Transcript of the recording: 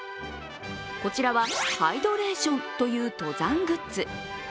こちらはハイドレーションという登山グッズ。